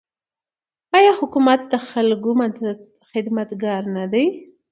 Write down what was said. آیا حکومت د خلکو خدمتګار نه دی؟